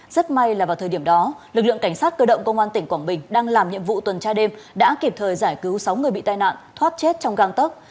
rất may là vào thời điểm đó lực lượng cảnh sát cơ động công an tỉnh quảng bình đang làm nhiệm vụ tuần tra đêm đã kịp thời giải cứu sáu người bị tai nạn thoát chết trong găng tốc